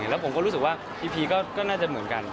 แล้วผมก็รู้สึกว่าพีก็น่าจะเหมือนกัน